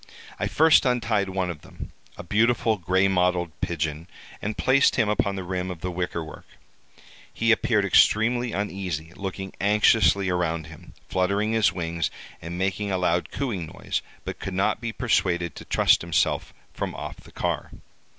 I first untied one of them, a beautiful gray mottled pigeon, and placed him upon the rim of the wicker work. He appeared extremely uneasy, looking anxiously around him, fluttering his wings, and making a loud cooing noise, but could not be persuaded to trust himself from off the car.